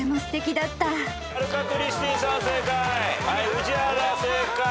宇治原正解。